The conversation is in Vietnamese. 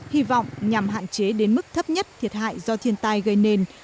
hy vọng nhằm hạn chế đến mức thấp nhất thiệt hại do thiên tai gây nên